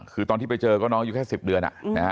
คือตอนที่ไปเจอก็น้องอยู่แค่๑๐เดือน